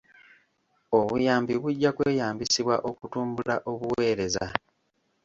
Obuyambi bujja kweyambisibwa okutumbula obuweereza.